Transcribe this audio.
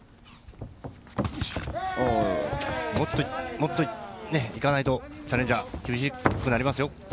もっといかないと、チャレンジャー厳しくなりますよ。